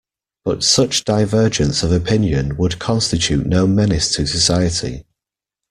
But such divergence of opinion would constitute no menace to society.